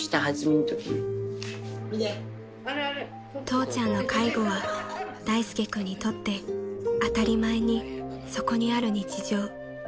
［父ちゃんの介護は大介君にとって当たり前にそこにある日常］